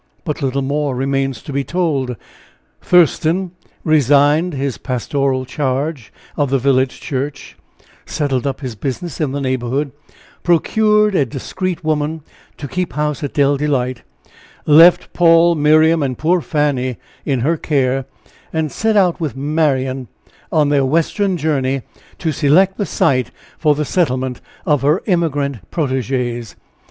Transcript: But little more remains to be told. Thurston resigned his pastoral charge of the village Church; settled up his business in the neighborhood; procured a discreet woman to keep house at Dell Delight; left Paul, Miriam and poor Fanny in her care, and set out with Marian on their western journey, to select the site for the settlement of her emigrant protégés.